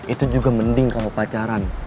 itu juga mending kamu pacaran